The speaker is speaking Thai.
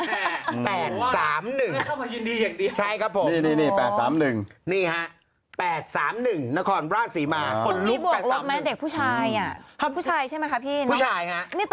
ชื่อน้องแข็งแรงชื่อน้องแข็งแรงตลอดอะไรนะเนี่ย